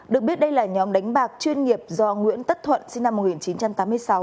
được biết đây là nhóm đánh bạc chuyên nghiệp do nguyễn tất thuận sinh năm một nghìn chín trăm tám mươi sáu